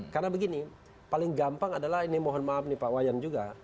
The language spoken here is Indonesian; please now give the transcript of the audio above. karena begini paling gampang adalah ini mohon maaf nih pak wayan juga